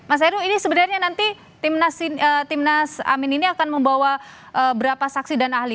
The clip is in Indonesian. mas heru ini sebenarnya nanti timnas amin ini akan membawa berapa saksi dan ahli